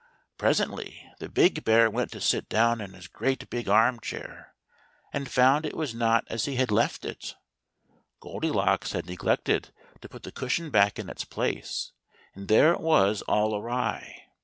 Presently the big bear went to sit down in his great big arm 116 THE THREE BEARS. chair, and found it was not as he had left it. Goldilocks had neglected to put the cushion back in its place, and there it was all awry.